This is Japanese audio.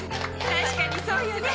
確かにそうよね。